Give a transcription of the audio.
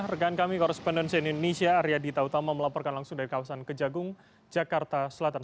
rekan kami korrespondensi indonesia arya dita utama melaporkan langsung dari kawasan kejagung jakarta selatan